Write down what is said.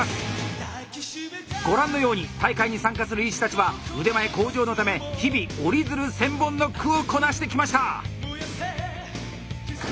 ご覧のように大会に参加する医師たちは腕前向上のため日々折り鶴千本ノックをこなしてきました！